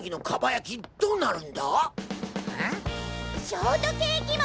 ショートケーキも！